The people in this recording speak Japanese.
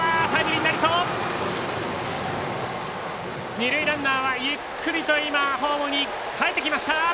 二塁ランナーはホームにかえってきました。